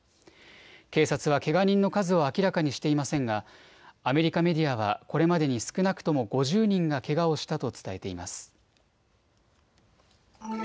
警察はけが人の数を明らかにしていませんがアメリカメディアはこれまでに少なくとも５０人がけがをしたと伝えています。